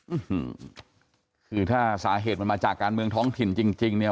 อืมคือถ้าสาเหตุมันมาจากการเมืองท้องถิ่นจริงจริงเนี่ย